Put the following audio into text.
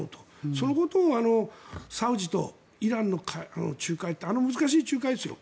そのことをサウジとイランの仲介ってあの難しい仲介ですよ。